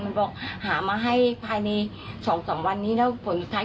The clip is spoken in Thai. มันบอกหามาให้ภายใน๒๓วันนี้แล้วผลสุดท้าย